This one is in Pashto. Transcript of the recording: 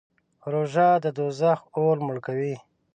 روژه د دوزخ اور مړ کوي.